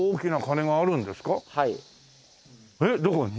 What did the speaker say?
えっどこに？